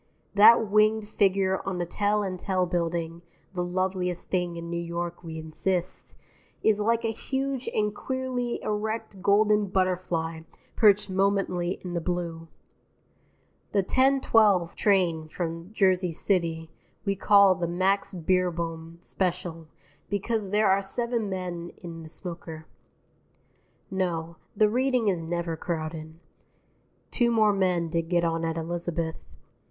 That winged figure on the Tel and Tel Building (the loveliest thing in New York, we insist) is like a huge and queerly erect golden butterfly perched momently in the blue. The 10:12 train from Jersey City we call the Max Beerbohm Special because there are Seven Men in the smoker. No, the Reading is never crowded. (Two more men did get on at Elizabeth.)